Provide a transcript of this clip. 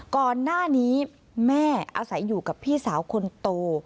ก่อนหน้านี้แม่อาศัยอยู่กับพี่สาวคนโต